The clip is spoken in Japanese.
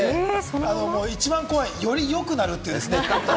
一番怖い、より良くなるというやつですね。